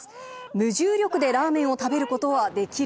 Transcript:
無重力でラーメンを食べることはできる？